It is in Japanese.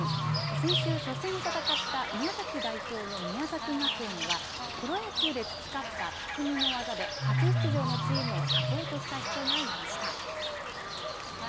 先週、初戦を戦った宮崎代表の宮崎学園にはプロ野球で培ったたくみの技で初出場のチームをサポートした人がいました。